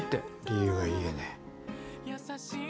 理由は言えねえ。